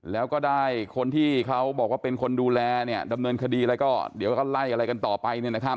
แล้วก็ได้คนที่เขาบอกว่าเป็นคนดูแลดำเนินคดีอะไรก็เดี๋ยวก็ไล่อะไรกันต่อไป